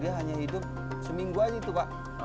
dia hanya hidup seminggu aja itu pak